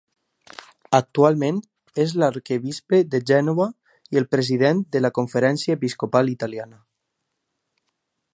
Actualment és l'Arquebisbe de Gènova i el President de la Conferència Episcopal Italiana.